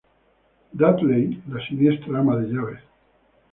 Dudley, la siniestra ama de llaves.